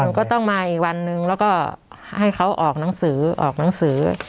หนูก็ต้องมาอีกวันนึงแล้วก็ให้เขาออกหนังสือ